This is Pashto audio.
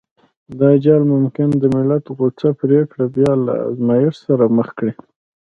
دا جال ممکن د ملت غوڅه پرېکړه بيا له ازمایښت سره مخ کړي.